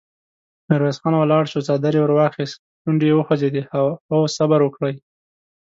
ميرويس خان ولاړ شو، څادر يې ور واخيست، شونډې يې وخوځېدې: هو! صبر وکړئ!